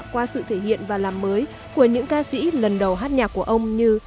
qua sự thể hiện và làm mới của những ca sĩ lần đầu hát nhạc của ông như